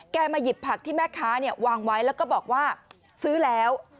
มาหยิบผักที่แม่ค้าวางไว้แล้วก็บอกว่าซื้อแล้ว